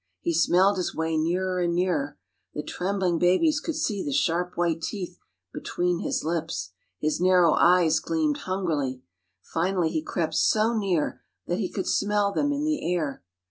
He smelled his way nearer and nearer. The trembling babies could see the sharp white teeth between his lips. His narrow eyes gleamed hungrily. Finally he crept so near that he could smell them in the air.